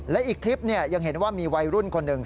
และอีกคลิปยังเห็นว่ามีวัยรุ่นคนหนึ่ง